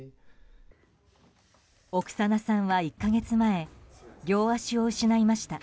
オクサナさんは１か月前両足を失いました。